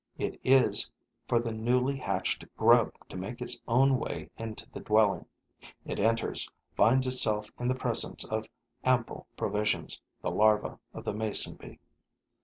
It is for the newly hatched grub to make its own way into the dwelling. It enters, finds itself in the presence of ample provisions, the larva of the mason bee.